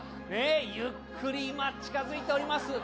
ゆっくり今近づいております。